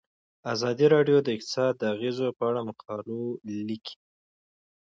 ازادي راډیو د اقتصاد د اغیزو په اړه مقالو لیکلي.